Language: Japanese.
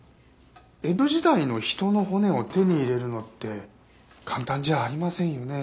江戸時代の人の骨を手に入れるのって簡単じゃありませんよね？